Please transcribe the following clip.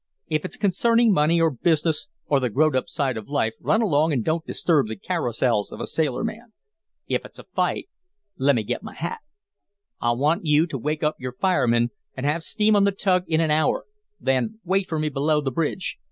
If it's concerning money, or business, or the growed up side of life, run along and don't disturb the carousals of a sailorman. If it's a fight, lemme get my hat." "I want you to wake up your fireman and have steam on the tug in an hour, then wait for me below the bridge.